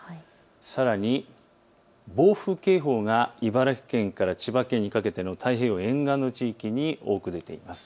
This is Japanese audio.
さらに暴風警報が茨城県から千葉県にかけて太平洋沿岸の地域に多く出ています。